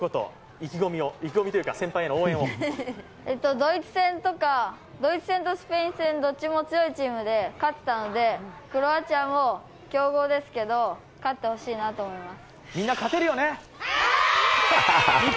ドイツ戦とスペイン戦、どっちも強いチームで勝てたので、クロアチアも強豪ですけれども勝ってほしいなと思います。